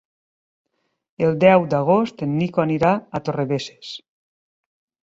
El deu d'agost en Nico anirà a Torrebesses.